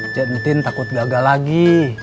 jantin takut gagal lagi